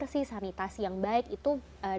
tijdik suara budak yang aparecer di video